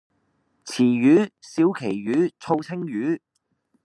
池魚，小鰭魚，醋鯖魚